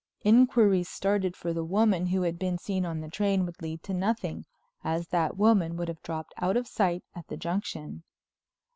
Inquiries started for the woman who had been seen on the train would lead to nothing, as that woman would have dropped out of sight at the Junction.